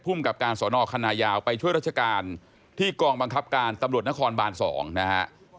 กับการสอนอคณะยาวไปช่วยราชการที่กองบังคับการตำรวจนครบาน๒นะฮะ